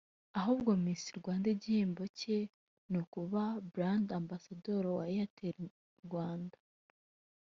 ahubwo Miss Rwanda igihembo cye ni ukuba "Brand Ambassador" wa Airtel Rwanda